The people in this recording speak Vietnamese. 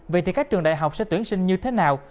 vậy thì các trường đại học sẽ tuyển sinh như thế nào